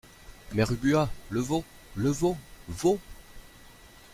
Mère Ubu Ah ! le veau ! le veau ! veau !